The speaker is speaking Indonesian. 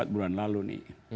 empat bulan lalu nih